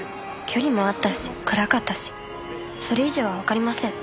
距離もあったし暗かったしそれ以上はわかりません。